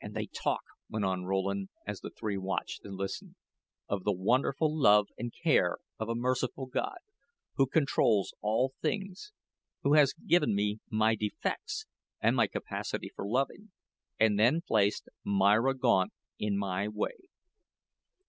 "And they talk," went on Rowland, as the three watched and listened; "of the wonderful love and care of a merciful God, who controls all things who has given me my defects, and my capacity for loving, and then placed Myra Gaunt in my way.